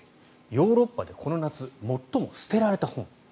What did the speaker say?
ヨーロッパでこの夏、最も捨てられた本。